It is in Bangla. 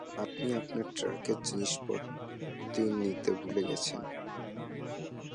আপনি আপনার ট্রাংকের জিনিসপাতি নিতে ভুলে গেছেন।